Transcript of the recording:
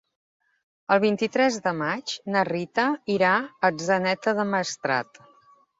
El vint-i-tres de maig na Rita irà a Atzeneta del Maestrat.